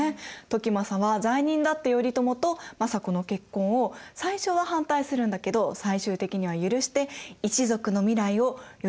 時政は罪人だった頼朝と政子の結婚を最初は反対するんだけど最終的には許して一族の未来を頼朝に懸けました。